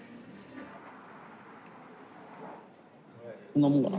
こんなもんかな？